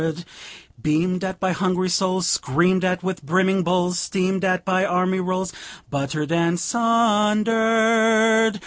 Beamed at by hungry souls, Screamed at with brimming bowls, Steamed at by army rolls, Buttered and sundered.